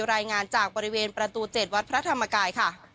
รายงานจากบริเวณประตู๗วัดพระธรรมกายค่ะ